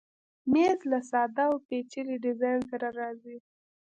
مېز له ساده او پیچلي ډیزاین سره راځي.